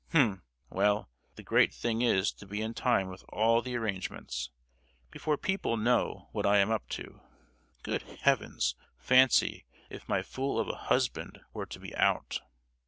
H'm! Well, the great thing is to be in time with all the arrangements,—before people know what I am up to! Good heavens, fancy, if my fool of a husband were to be out!!"